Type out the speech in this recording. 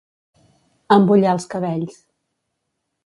Embullar els cabells.